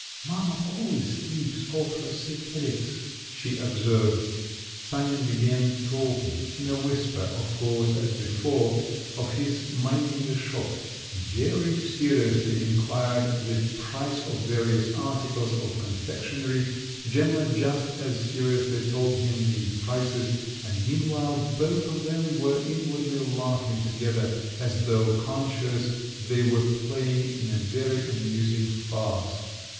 "Mamma always sleeps off her sick headaches," she observed. Sanin began talking—in a whisper, of course, as before—of his minding the shop; very seriously inquired the price of various articles of confectionery; Gemma just as seriously told him these prices, and meanwhile both of them were inwardly laughing together, as though conscious they were playing in a very amusing farce.